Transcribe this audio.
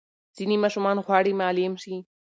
ځینې ماشومان غواړي معلم شي.